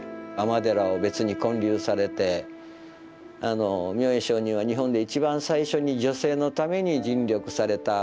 尼寺を別に建立されて明恵上人は日本でいちばん最初に女性のために尽力された。